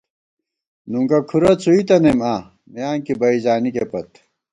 نُنگُہ کُھرَہ څُوئی تنَئیم آں، میانکی بئ زانِکے پت